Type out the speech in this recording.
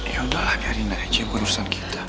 ya udah lah diana aja yang perusahaan kita